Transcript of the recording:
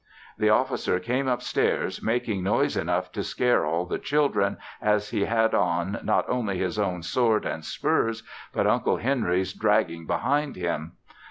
The officer came upstairs making noise enough to scare all the children as he had on not only his own sword and spurs, but Uncle Henry's dragging behind him.